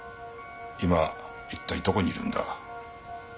今一体どこにいるんだ？